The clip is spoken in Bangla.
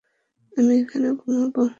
আমি এখানে ঘুমাবো।